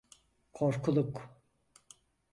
Korkuluk…